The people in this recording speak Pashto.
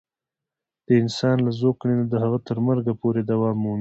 د انسان له زوکړې نه د هغه تر مرګه پورې دوام مومي.